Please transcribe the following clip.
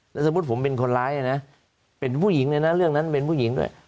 แล้วสมมุติผมเป็นคนร้ายนะเป็นผู้หญิงเลยนะเรื่องนั้นเป็นผู้หญิงด้วย